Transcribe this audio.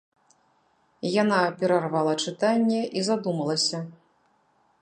Яна перарвала чытанне і задумалася.